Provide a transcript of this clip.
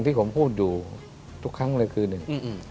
ที่ผมพูดอยู่ทุกครั้งเลยคืนหนึ่ง